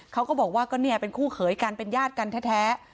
เขาก็บอกว่าก็เนี่ยเป็นคู่เขยกันเป็นญาติกันแท้